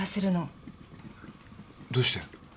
どうして？